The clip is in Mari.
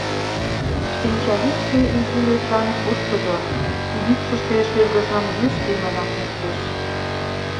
Шинчавӱдшӧ изи йочан пушкыдо, йӱкшышӧ шӱргыжым йӱр семынак мушкеш.